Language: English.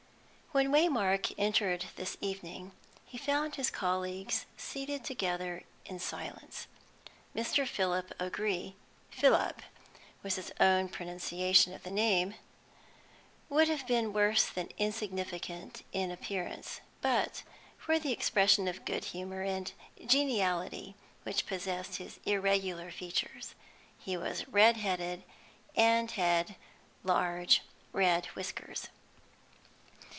When Waymark entered this evening, he found his colleagues seated together in silence. Mr. Philip O'Gree "fill up" was his own pronunciation of the name would have been worse than insignificant in appearance, but for the expression of good humour and geniality which possessed his irregular features. He was red headed, and had large red whiskers.